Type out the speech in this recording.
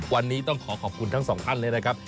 วันนี้ต้องขอขอบคุณทั้งสองท่านเลยนะครับ